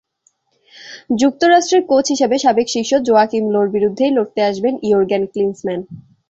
যুক্তরাষ্ট্রের কোচ হিসেবে সাবেক শিষ্য জোয়াকিম লোর বিরুদ্ধেই লড়তে আসবেন ইয়ুর্গেন ক্লিন্সম্যান।